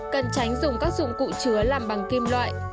cần tránh dùng các dụng cụ chứa làm bằng kim loại